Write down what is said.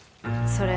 それ？